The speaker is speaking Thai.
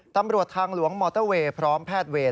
ตำรวจทางหลวงมอเตอร์เวย์พร้อมแพทย์เวร